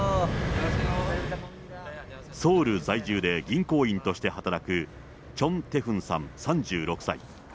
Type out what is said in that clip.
ソウル在住で銀行員として働く、チョン・テフンさん３６歳。